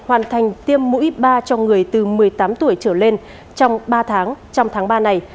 hoàn thành tiêm mũi ba cho người từ một mươi tám tuổi trở lên trong ba tháng trong tháng ba này